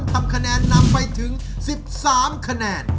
ทำคะแนนนำไปถึง๑๓คะแนน